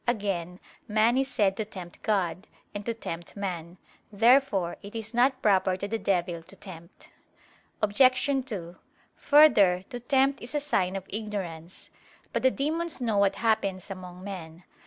Again, man is said to tempt God, and to tempt man. Therefore it is not proper to the devil to tempt. Obj. 2: Further, to tempt is a sign of ignorance. But the demons know what happens among men.